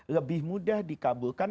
lebih mudah dikabulkan